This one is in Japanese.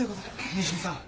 西見さん。